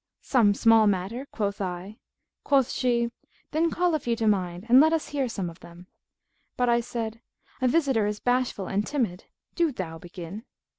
'Some small matter,' quoth I. Quoth she 'Then call a few to mind and let us hear some of them.' But I said, 'A visitor is bashful and timid; do thou begin.'